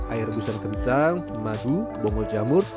air gusan kentang madu bongol jamur